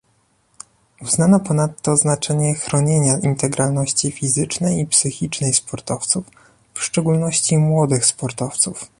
Uznano ponadto znaczenie chronienia integralności fizycznej i psychicznej sportowców, w szczególności młodych sportowców